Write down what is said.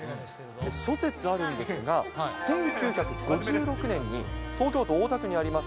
諸説あるんですが、１９５６年に東京都大田区にあります